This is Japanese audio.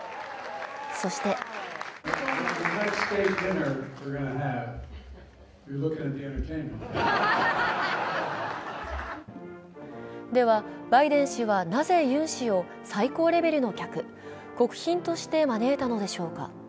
そしてではバイデン氏はなぜユン氏を最高レベルの客、国賓として招いたのでしょうか。